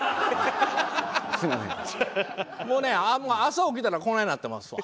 もうね朝起きたらこないなってますわ。